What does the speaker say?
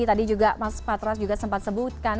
tadi juga mas patras juga sempat sebutkan